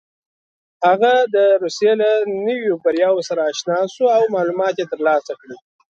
هغه د روسيې له نویو بریاوو سره اشنا شو او معلومات یې ترلاسه کړل.